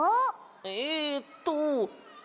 えっと